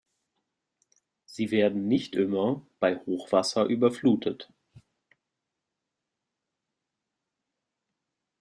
Sie werden nicht immer bei Hochwasser überflutet.